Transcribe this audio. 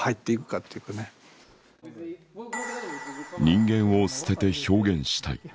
人間を捨てて表現したい。